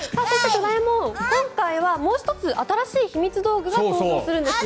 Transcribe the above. ドラえもん、今回はもう１つ新しいひみつ道具が登場するんですよね。